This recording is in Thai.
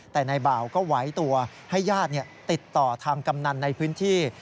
แต่นายบ่าวก็ไหวตัวให้ญาติติดต่อทางกำนันในพื้นที่